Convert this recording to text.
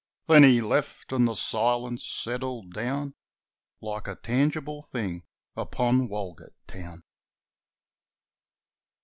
Then he left and the silence settled down Like a tangible thing upon Walgett Town.